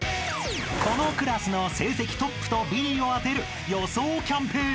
［このクラスの成績トップとビリを当てる予想キャンペーン。